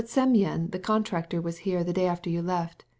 Oh, Semyon the contractor came the day after you left.